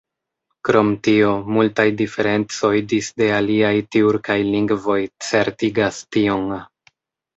Krom tio multaj diferencoj disde aliaj tjurkaj lingvoj certigas tion.